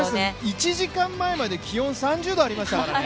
１時間前まで気温３０度ありましたからね。